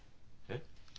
えっ？